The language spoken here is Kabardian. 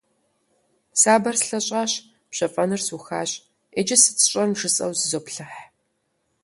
Сабэр слъэщӏащ, пщэфӏэныр сухащ, иджы сыт сщӏэн жысӏэу зызоплъыхь.